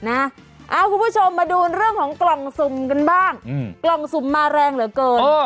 คุณผู้ชมมาดูเรื่องของกล่องสุ่มกันบ้างกล่องสุ่มมาแรงเหลือเกิน